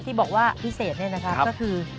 ที่บอกว่าพิเศษนี่นะครับก็คือ